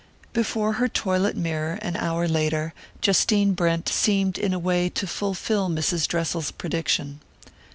Before her toilet mirror, an hour later, Justine Brent seemed in a way to fulfill Mrs. Dressel's prediction.